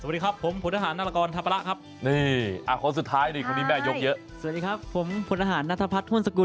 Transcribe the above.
ต้องรายงานตัวมั้ยค่ะยังไงดีทำตัวไม่ถูกตัวตรง